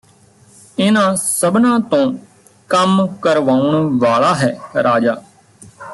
ਇਨ੍ਹਾਂ ਸਭਨਾਂ ਤੋਂ ਕੰਮ ਕਰਵਾਉਣ ਵਾਲਾ ਹੈ ਰਾਜਾ